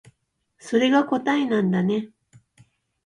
それが答えなんだね